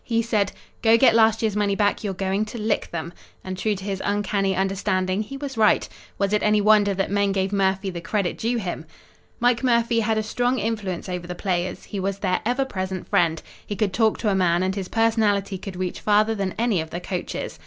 He said, "Go get last year's money back, you're going to lick them!" And true to his uncanny understanding he was right. Was it any wonder that men gave Murphy the credit due him? Mike Murphy had a strong influence over the players. He was their ever present friend. He could talk to a man, and his personality could reach farther than any of the coaches.